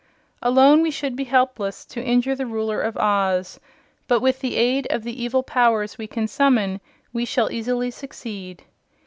Alone, we should be helpless to injure the Ruler of Oz, but with the aid of the evil powers we can summon we shall easily succeed."